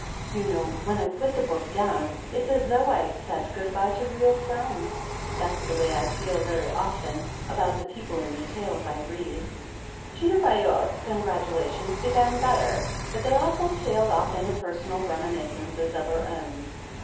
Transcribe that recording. You know, when I put the book down it's as though I'd said good bye to real friends. That's the way I feel, very often, about the people in the tales I read." Gina Ryott's congratulations began better, but they, also, tailed off into personal reminiscences of her own.